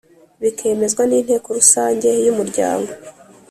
bikemezwa n inteko rusange y umuryango